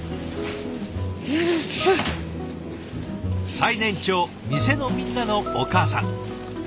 最年長店のみんなのお母さん。